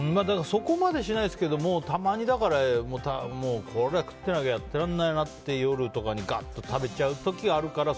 そこまでしないですけどたまにこれは食ってなきゃやってらんないなという夜にガーッと食べちゃう時あるから